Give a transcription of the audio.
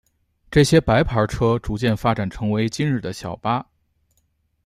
这些白牌车逐渐发展成为今日的小巴。